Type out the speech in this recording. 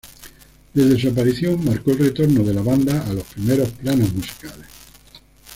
Desde su aparición marcó el retorno de la banda a los primeros planos musicales.